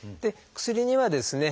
薬にはですね